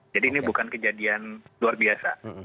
jadi ini bukan kejadian luar biasa